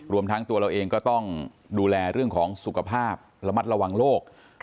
รวมทั้งตัวเราเองก็ต้องดูแลเรื่องของสุขภาพระมัดระวังโรค